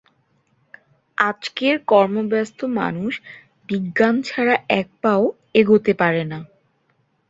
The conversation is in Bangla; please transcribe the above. আজকের কর্মব্যস্ত মানুষ বিজ্ঞান ছাড়া একপাও এগোতে পারে না।